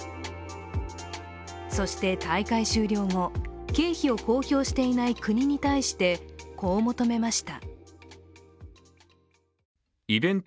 そして大会終了後、経費を公表していない国に対してこう求めました。